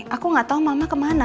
aku nggak tahu mama kemana